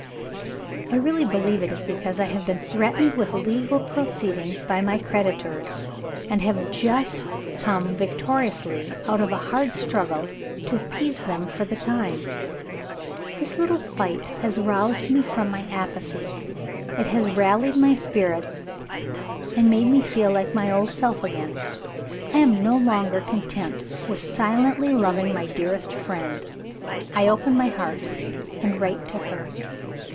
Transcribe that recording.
"I really believe it is because I have been threatened with legal proceedings by my creditors, and have just come victoriously out of a hard struggle to appease them for the time. This little fight has roused me from my apathy; it has rallied my spirits, and made me feel like my old self again. I am no longer content with silently loving my dearest friend; I open my heart and write to her.